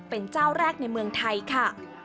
เป็นเจ้าแรกในเมืองไทยค่ะ